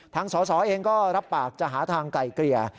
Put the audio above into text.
สสเองก็รับปากจะหาทางไกลเกลี่ย